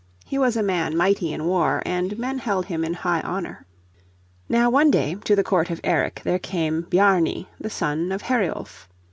He was a man mighty in war, and men held him in high honour. Now one day to the court of Eric there came Bjarni the son of Heriulf.